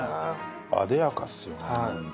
あでやかっすよね何か。